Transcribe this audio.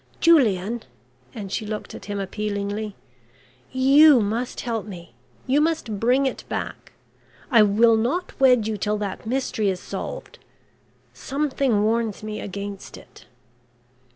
Julian " and she looked at him appealingly. "You must help me you must bring it back. I will not wed you till that mystery is solved. Something warns me against it."